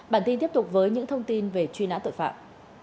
bản tin tiếp tục với những thông tin về truy nã tội phạm